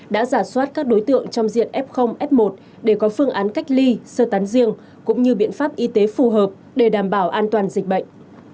đã giả soát các đối tượng trong diện f f một để có phương án cách ly sơ tán riêng cũng như biện pháp y tế phù hợp để đảm bảo an toàn dịch bệnh